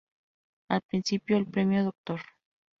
Al principio el Premio "Dr.